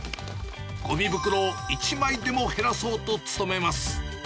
ごみ袋を一枚でも減らそうと努めます。